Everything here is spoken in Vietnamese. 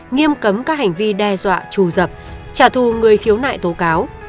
nghiêm cấm các hành vi đe dọa trù dập trả thù người khiếu nại tố cáo